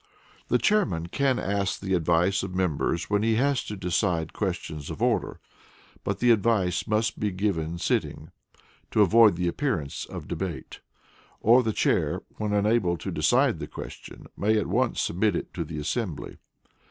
The Chairman can ask the advice of members when he has to decide questions of order, but the advice must be given sitting, to avoid the appearance of debate; or the Chair, when unable to decide the question, may at once submit it to the assembly.